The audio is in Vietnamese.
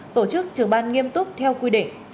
sáu tổ chức trường ban nghiêm túc theo quy định